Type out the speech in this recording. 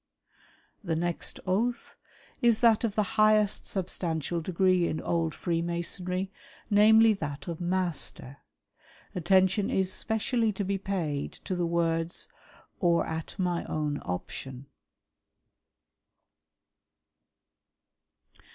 The next oath is that of the highest substantial degree in old Freemasonry, namely, that of Master. Attention is specially to be paid to the words "or at my own option."